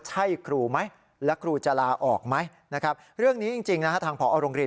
ใช่ครูไหมแล้วครูจะลาออกไหมนะครับเรื่องนี้จริงนะฮะทางผอโรงเรียน